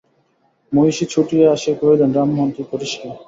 মহিষী ছুটিয়া আসিয়া কহিলেন, রামমোহন তুই করিস কী?